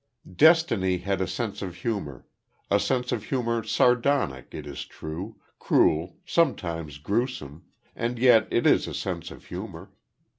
Destiny has a sense of humor; a sense of humor sardonic, it is true, cruel, sometimes grewsome; and yet it is a sense of humor.